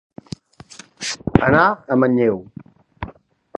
Anar a manlleu.